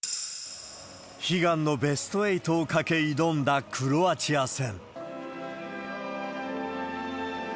悲願のベスト８を懸け挑んだクロアチア戦。